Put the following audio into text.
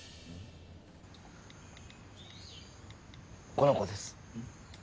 この子です。